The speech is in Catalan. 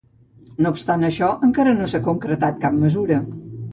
No obstant això, encara no s’ha concretat cap mesura.